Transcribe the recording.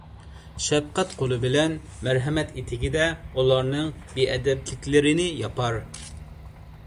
شەپقەت قولى بىلەن مەرھەمەت ئېتىكىدە ئۇلارنىڭ بىئەدەپلىكلىرىنى ياپار.